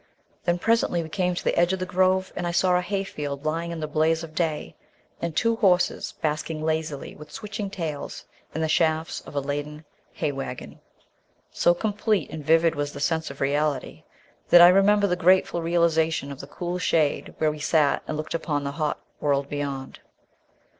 Then, presently, we came to the edge of the grove, and I saw a hayfield lying in the blaze of day, and two horses basking lazily with switching tails in the shafts of a laden hay waggon. So complete and vivid was the sense of reality, that I remember the grateful realisation of the cool shade where we sat and looked out upon the hot world beyond.